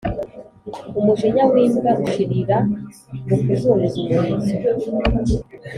Umujinya w’imbwa ushirira mu kuzunguza umurizo.